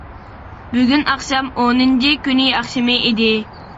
بۈگۈن ئاخشام ئونىنچى كۈنى ئاخشىمى ئىدى.